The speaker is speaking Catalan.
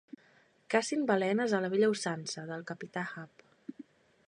Cacin balenes a la vella usança del capità Ahab.